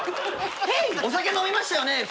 お酒飲みましたよね？